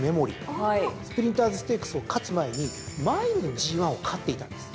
スプリンターズステークスを勝つ前にマイルのＧⅠを勝っていたんです。